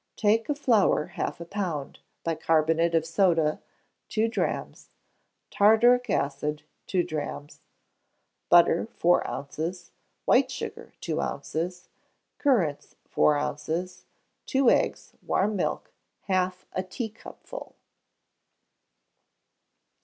Take of flour half a pound; bicarbonate of soda, two drachms; tartaric acid, two drachms; butter, four ounces; white sugar, two ounces; currants, four ounces; two eggs; warm milk, half a teacupful.